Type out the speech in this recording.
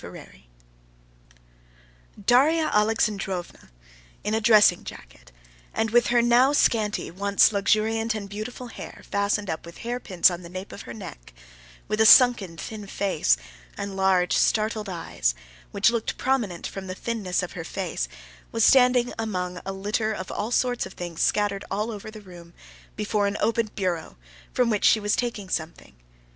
Chapter 4 Darya Alexandrovna, in a dressing jacket, and with her now scanty, once luxuriant and beautiful hair fastened up with hairpins on the nape of her neck, with a sunken, thin face and large, startled eyes, which looked prominent from the thinness of her face, was standing among a litter of all sorts of things scattered all over the room, before an open bureau, from which she was taking something.